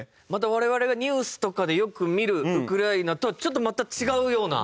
我々がニュースとかでよく見るウクライナとはちょっとまた違うような。